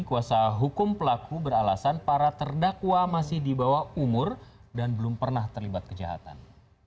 kuasa hukum pelaku beralasan para terdakwa masih di bawah umur dan belum pernah terlibat kejahatan